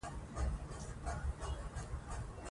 غازیانو د ملالۍ اواز اورېدلی وو.